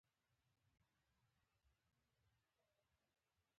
سایټ خو په پاکستان په پېښور يا کوټه کې اداره کېږي.